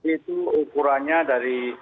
itu ukurannya dari